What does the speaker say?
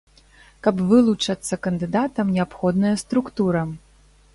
Каб вылучацца кандыдатам, неабходная структура.